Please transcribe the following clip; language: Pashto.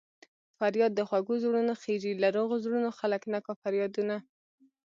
فریاد د خوږو زړونو خېژي له روغو زړونو خلک نه کا فریادونه